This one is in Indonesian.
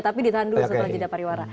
tapi ditahan dulu setelah jeda pariwara